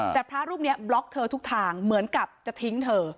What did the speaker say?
แต่พระรูปนี้บล็อกเธอทุกทางเหมือนกับจะทิ้งเธอ